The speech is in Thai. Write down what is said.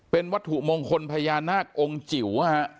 เป็นวัตถุมงคลพญานาคองค์จิ๋ว